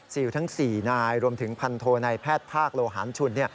ทั้ง๔นายรวมถึงพันโทนายแพทย์ภาคโลหารชุน